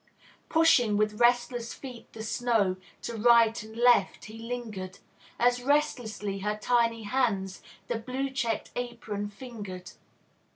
Pushing with restless feet the snow To right and left, he lingered; As restlessly her tiny hands The blue checked apron fingered.